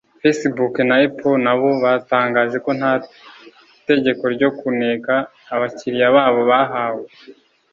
Facebook na Apple nabo batangaje ko nta tegeko ryo kuneka abakiriya babo bahawe